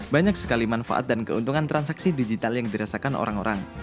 banyak sekali manfaat dan keuntungan transaksi digital yang dirasakan orang orang